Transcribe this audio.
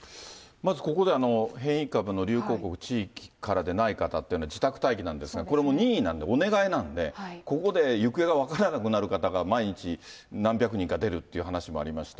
まず、ここでは変異株の流行国・地域から出ない方というのは、自宅待機なんですが、これも任意なんで、お願いなんで、ここで行方が分からなくなる方が毎日、何百人か出るっていう話もありました。